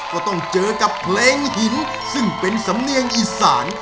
ก็ต้องเจอกับเพลงหินซึ่งเป็นสำเนียงอีสาน